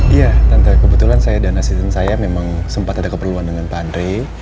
iya kebetulan saya dan asisten saya memang sempat ada keperluan dengan pak andre